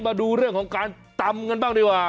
มาดูเรื่องของการตำกันบ้างดีกว่า